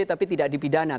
tapi tidak dipidana